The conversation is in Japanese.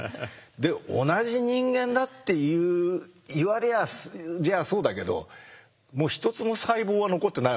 で同じ人間だって言われりゃそうだけどもう一つも細胞は残ってないわけですね。